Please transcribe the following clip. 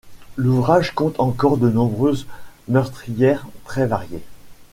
L'ouvrage compte encore de nombreuses meurtrières très variées.